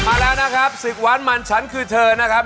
มาแล้วนะครับศึกหวานมันฉันคือเธอนะครับ